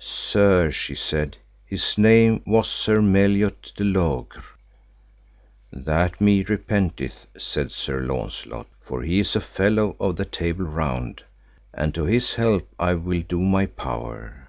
Sir, she said, his name was Sir Meliot de Logres. That me repenteth, said Sir Launcelot, for he is a fellow of the Table Round, and to his help I will do my power.